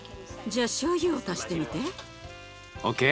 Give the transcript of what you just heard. じゃあしょうゆを足してみて。